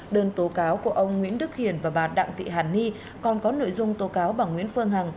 đơn tố cáo của ông nguyễn đức hiền và bà đặng thị hàn ni còn có nội dung tố cáo bà nguyễn phương hằng